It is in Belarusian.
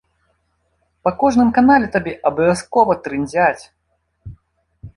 Па кожным канале табе абавязкова трындзяць!